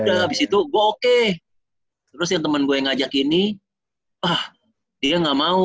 udah habis itu gue oke terus yang temen gue yang ngajak ini wah dia nggak mau